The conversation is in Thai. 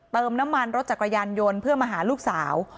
เติมน้ำมันรถจักรยานยนต์เพื่อมาหาลูกสาว